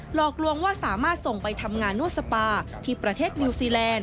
หลอกลวงว่าสามารถส่งไปทำงานนวดสปาที่ประเทศนิวซีแลนด